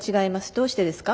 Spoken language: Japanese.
どうしてですか？